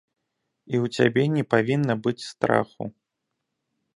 І ў цябе не павінна быць страху.